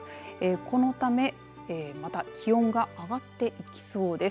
このためまた気温が上がっていきそうです。